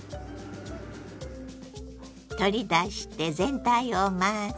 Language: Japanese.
取り出して全体を混ぜ。